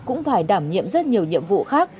cũng phải đảm nhiệm rất nhiều nhiệm vụ khác